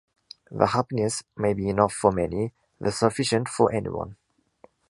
The happiness may be enough for many, the sufficient for anyone.